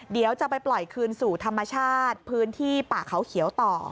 เดี๋ยวจะไปปล่อยคืนสู่ธรรมชาติพื้นที่ป่าเขาเขียวต่อ